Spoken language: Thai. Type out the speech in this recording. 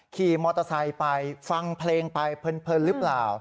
ขี่มอเตอร์ไซค์ไปฟังเพลงไปเพลินหรือเปล่า